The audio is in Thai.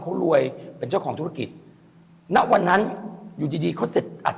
เขารวยเป็นเจ้าของธุรกิจณวันนั้นอยู่ดีดีเขาเสร็จอัด